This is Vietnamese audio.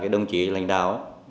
đồng chí lãnh đạo